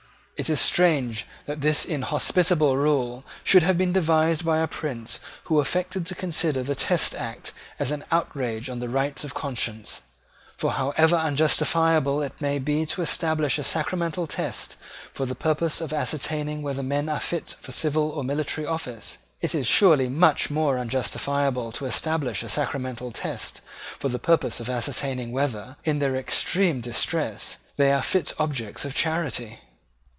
It is strange that this inhospitable rule should have been devised by a prince who affected to consider the Test Act as an outrage on the rights of conscience: for, however unjustifiable it may be to establish a sacramental test for the purpose of ascertaining whether men are fit for civil and military office, it is surely much more unjustifiable to establish a sacramental test for the purpose of ascertaining whether, in their extreme distress, they are fit objects of charity.